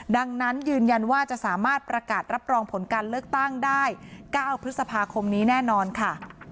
ดังนั้นยืนยันว่าจะสามารถประกาศรับรองผลการเลือกตั้งได้๙พฤษภาคมนี้แน่นอนค่ะ